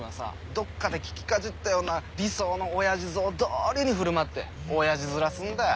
どっかで聞きかじったような理想の親父像どおりに振る舞って親父づらすんだよ。